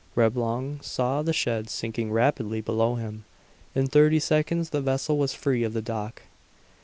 Reblong saw the sheds sinking rapidly below him. In thirty seconds the vessel was free of the dock.